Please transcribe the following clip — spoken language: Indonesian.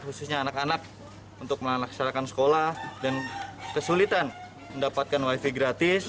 khususnya anak anak untuk melaksanakan sekolah dan kesulitan mendapatkan wifi gratis